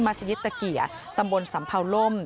มาสยิตเกียร์ตำบลสำพาลม